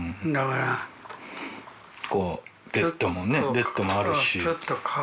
ベッドもあるし。